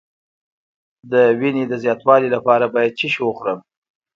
د وینې د زیاتوالي لپاره باید څه شی وخورم؟